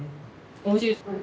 おいしいです。